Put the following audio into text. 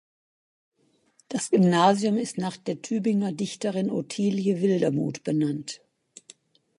Das Gymnasium ist nach der Tübinger Dichterin Ottilie Wildermuth benannt.